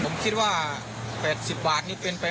มีแต่คนจังหวัดเลยไปเดินขายนะครับ